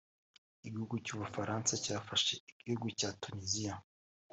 Igihugu cy’ubufaransa cyafashe igihugu cya Tuniziya